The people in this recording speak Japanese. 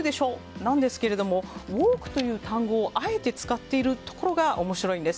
なんですけどＷＯＫＥという単語をあえて使っているところが面白いんです。